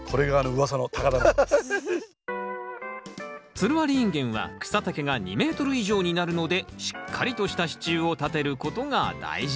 つるありインゲンは草丈が２ｍ以上になるのでしっかりとした支柱を立てることが大事。